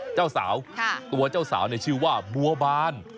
เจ้าสาวตัวเจ้าสาวชื่อว่าบัวบาน